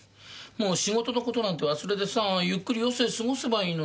もう仕事の事なんて忘れてさゆっくり余生過ごせばいいのに。